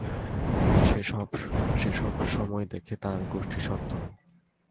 সে সব সময় দেখে তার গোষ্ঠীস্বর্থ।